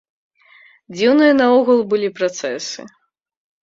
Дзіўныя наогул былі працэсы.